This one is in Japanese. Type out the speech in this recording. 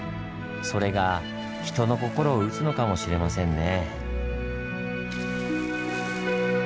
それが人の心を打つのかもしれませんね。